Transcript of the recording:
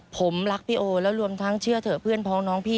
ผมรักพี่โอแล้วรวมทั้งเชื่อเถอะเพื่อนพ้องน้องพี่